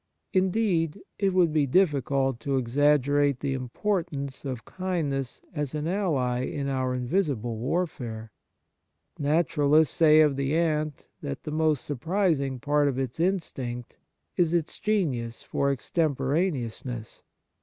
Indeed, it would be difficult to exaggerate the importance of kindness as an ally in our invisible warfare. Naturalists say of the ant that the most surprising part of its instinct is its genius for extemporaneous ness.